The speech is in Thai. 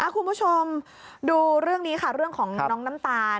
คุณผู้ชมดูเรื่องนี้ค่ะเรื่องของน้องน้ำตาล